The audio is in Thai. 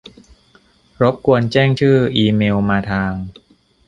รบกวนแจ้งชื่อ-อีเมลมาทาง